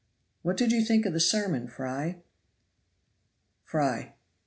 "What did you think of the sermon, Fry?" Fry.